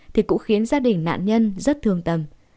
thì cũng khiến gia đình nạn nhân rất thương tâm